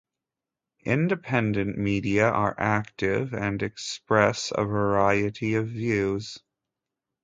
Independent media are active and express a variety of views.